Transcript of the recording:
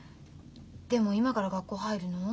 でも今から学校入るの？